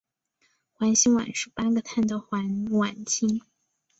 环辛烷是八个碳的环烷烃。